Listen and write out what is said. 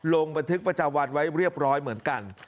ลงบันทึกประจำวันไว้เรียบร้อยเหมือนกัน